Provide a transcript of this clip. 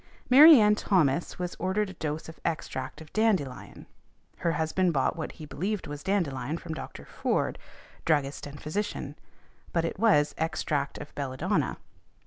Mary Ann Thomas was ordered a dose of extract of dandelion, her husband bought what he believed was dandelion from Dr. Foord, druggist and physician; but it was extract of belladonna.